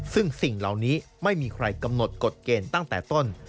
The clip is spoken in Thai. ซึ่งสิ่งเหล่านี้ไม่มีใครกำหนดกฎเกณฑ์ตั้งแต่ต้น